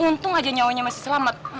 untung aja nyawanya masih selamat